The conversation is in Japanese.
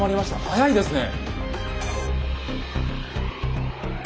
早いですね。